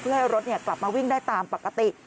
เพื่อให้รถกลับมาวิ่งได้ตามปกติ